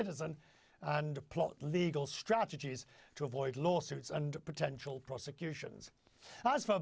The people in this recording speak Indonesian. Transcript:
dan mencari strategi yang legal untuk menghindari penyelidikan dan proses yang mungkin